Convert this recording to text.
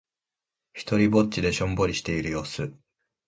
ひとりっぼちでしょんぼりしている様子。